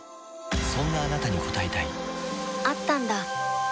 そんなあなたに応えたいあったんだ！